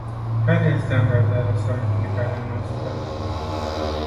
Care este angajarea sau implicarea noastră?